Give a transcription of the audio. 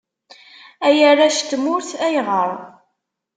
Ay arrac n tmurt, ayɣer?